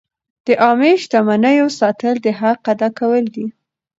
د عامه شتمنیو ساتل د حق ادا کول دي.